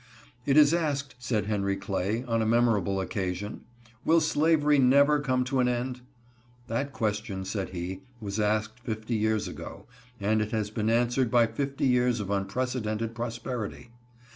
It is asked, said Henry Clay, on a memorable occasion, Will slavery never come to an end? That question, said he, was asked fifty years ago, and it has been answered by fifty years of unprecedented prosperity.